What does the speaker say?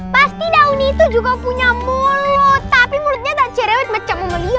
pasti daun itu juga punya mulut tapi mulutnya tak cerewet macam omelia